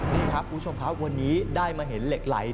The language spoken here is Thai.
นี่ครับคุณผู้ชมครับวันนี้ได้มาเห็นเหล็กไหล